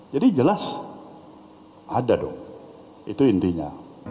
jadi jelas ada dong itu intinya